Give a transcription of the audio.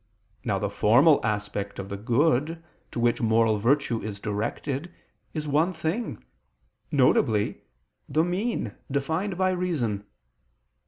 Now the formal aspect of the good to which moral virtue is directed, is one thing, viz. the mean defined by reason.